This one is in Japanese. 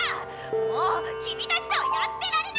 もうきみたちとはやってられないメラ！